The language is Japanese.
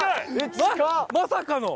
まさかの！